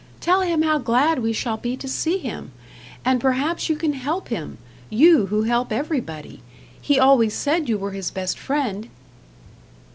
Tell him how glad we shall be to see him. And perhaps you can help him: you who help everybody. He always said you were his best friend."